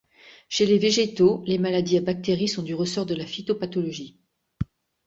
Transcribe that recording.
Chez les végétaux, les maladies à bactéries sont du ressort de la phytopathologie.